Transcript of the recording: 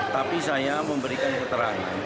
tapi saya memberikan keterangan